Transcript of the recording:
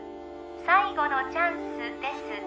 最後のチャンスです